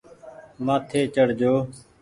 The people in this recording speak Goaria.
مآٿي چڙ جو۔